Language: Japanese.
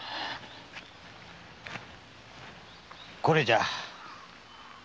これじゃ。